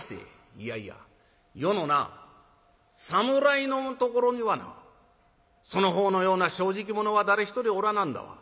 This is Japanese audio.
「いやいや余のな侍のところにはなその方のような正直者は誰一人おらなんだわ。